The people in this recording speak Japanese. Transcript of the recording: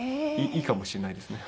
いいかもしれないですね。